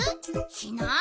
しない？